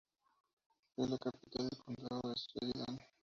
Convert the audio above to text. Es la capital del condado de Sheridan.